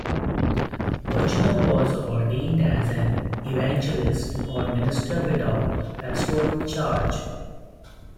Buechner was ordained as an evangelist, or minister without pastoral charge.